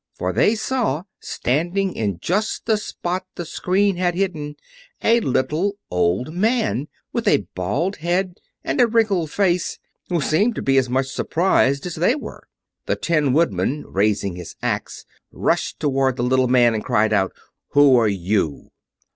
For they saw, standing in just the spot the screen had hidden, a little old man, with a bald head and a wrinkled face, who seemed to be as much surprised as they were. The Tin Woodman, raising his axe, rushed toward the little man and cried out, "Who are you?"